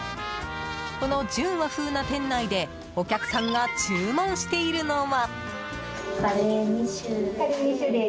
この純和風な店内でお客さんが注文しているのは。